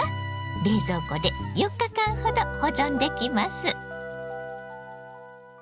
冷蔵庫で４日間ほど保存できます。